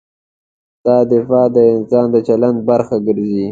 دا دفاع د انسان د چلند برخه ګرځي.